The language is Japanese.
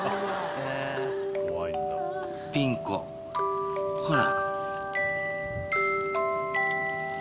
ピン子ほら。